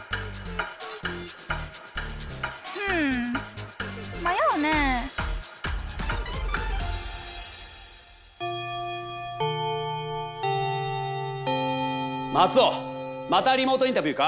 うん迷うねえマツオまたリモートインタビューか？